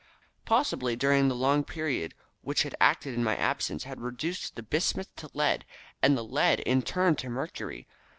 Possibly the long period during which the current had acted in my absence had reduced the bismuth to lead and the lead in turn to mercury.